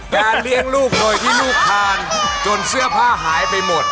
เลี้ยงลูกโดยที่ลูกทานจนเสื้อผ้าหายไปหมด